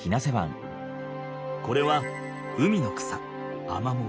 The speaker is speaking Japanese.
これは海の草アマモ。